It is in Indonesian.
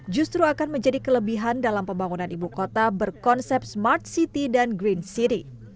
justru akan menjadi kelebihan dalam pembangunan ibu kota berkonsep smart city dan green city